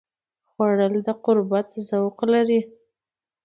خوړل د قربت ذوق لري